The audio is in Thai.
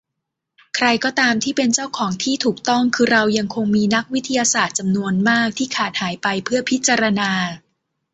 ใครก็ตามที่เป็นเจ้าของที่ถูกต้องคือเรายังคงมีนักวิทยาศาสตร์จำนวนมากที่ขาดหายไปเพื่อพิจารณา